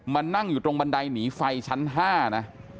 นั่งอยู่ตรงบันไดหนีไฟชั้น๕นะ